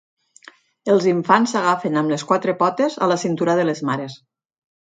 Els infants s'agafen amb les quatre potes a la cintura de les mares.